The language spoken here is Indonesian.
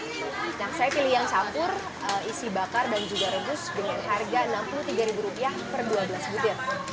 nah saya pilih yang campur isi bakar dan juga rebus dengan harga rp enam puluh tiga per dua belas butir